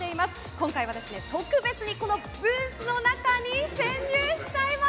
今回は、特別にこのブースの中に潜入しちゃいます。